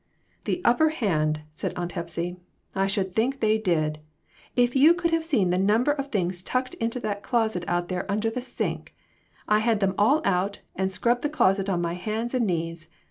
"The upper hand!" said Aunt Hepsy ; "I should think they did ! If you could have seen the number of things tucked into that closet out there under the sink ! I've had them all out, and scrubbed the closet on my hands and knees.